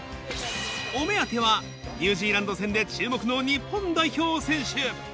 ニュージーランド戦で注目の日本代表選手